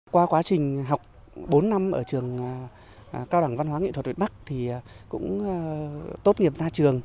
qua quá trình học bốn năm ở trường cao đẳng văn hóa nghệ thuật việt bắc thì cũng tốt nghiệp ra trường